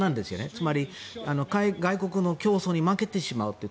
つまり外国の競争に負けてしまうという。